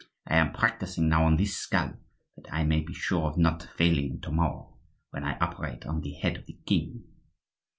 I am practising now on this skull, that I may be sure of not failing to morrow, when I operate on the head of the king."